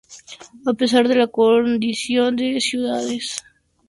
A pesar de la condición de ciudades, no constituyen áreas urbanas como tal.